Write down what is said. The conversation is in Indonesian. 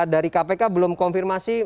dari kpk belum konfirmasi